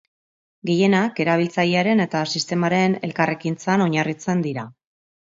Gehienak erabiltzailearen eta sistemaren elkarrekintzan oinarritzen dira.